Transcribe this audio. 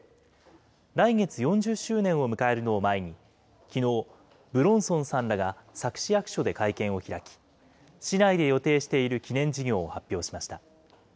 来月、４０周年を迎えるのを前に、きのう、武論尊さんらが佐久市役所で会見を開き、市内で予定している記念事業を発表しました。